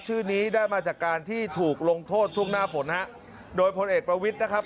ชื่อนี้ได้มาจากการที่ถูกลงโทษช่วงหน้าฝนฮะโดยพลเอกประวิทย์นะครับ